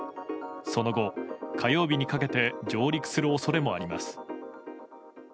その後、火曜日にかけて上陸する恐れもあります。